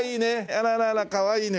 あらあらあらかわいいね。